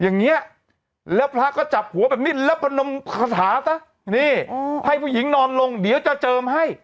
อย่างนี้แล้วพระก็จับหัวแบบนี้แล้วพนมคาถาซะนี่ให้ผู้หญิงนอนลงเดี๋ยวจะเจิมให้